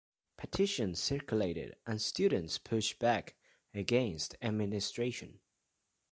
Petitions circulated and students pushed back against administration.